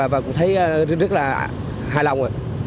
và cũng thấy rất là hài lòng